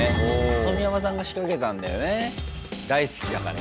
冨山さんが仕掛けたんだよね。